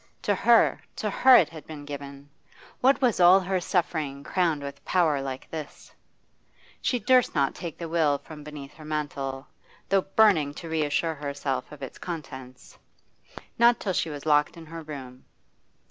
To her, to her it had been given! What was all her suffering, crowned with power like this? She durst not take the will from beneath her mantle, though burning to reassure herself of its contents. Not till she was locked in her room.